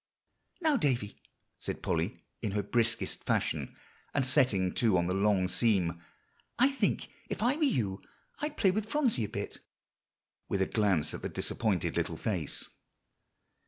"Now, Davie," said Polly in her briskest fashion, and setting to on the long seam, "I think if I were you, I'd play with Phronsie a bit," with a glance at the disappointed little face.